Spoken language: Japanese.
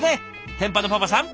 天パのパパさん